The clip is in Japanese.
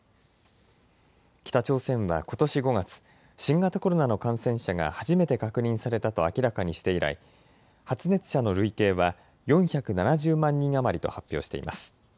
北朝鮮はことし５月、新型コロナの感染者が初めて確認されたと明らかにして以来、発熱者の累計は４７０万人余りと発表しています。